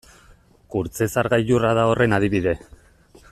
Kurtzezar gailurra da horren adibide.